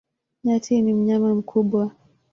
Nyati ni mnyama mkubwa.